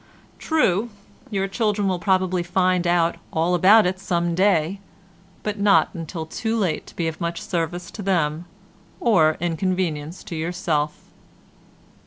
True, your children will probably find out all about it some day, but not until too late to be of much service to them or inconvenience to yourself.